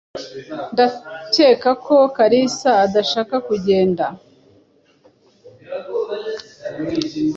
Ndakeka ko Kalisa adashaka kugenda.